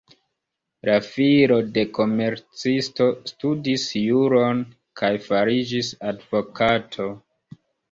La filo de komercisto studis juron kaj fariĝis advokato.